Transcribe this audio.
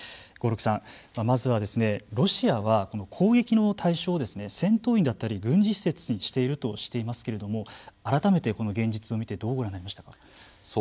合六さん、まずはロシアは、この攻撃の対象を戦闘員だったり軍事施設にしているとしていますけれども改めて、この現実を見てどうご覧になりましたか。